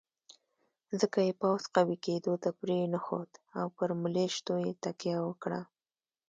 ځکه یې پوځ قوي کېدو ته پرېنښود او پر ملېشو یې تکیه وکړه.